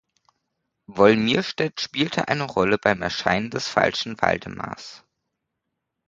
Wolmirstedt spielte eine Rolle beim Erscheinen des falschen Waldemars.